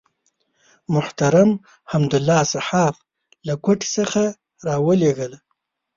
محترم حمدالله صحاف له کوټې څخه راولېږله.